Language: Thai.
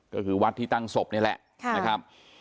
ก็คือวัดที่ตั้งศพนี่แหละนะครับ